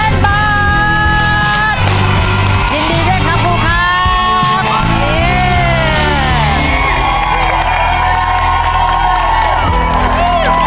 ขอบคุณครับ